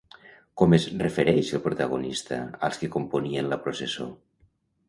Com es refereix el protagonista als qui componien la processó?